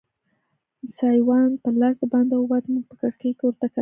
سایوان په لاس دباندې ووت، موږ په کړکۍ کې ورته کتل.